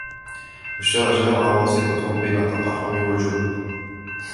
وَالشُّجَاعَةُ وَاسِطَةٌ بَيْنَ التَّقَحُّمِ وَالْجُبْنِ